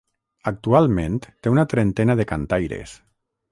Actualment té una trentena de cantaires.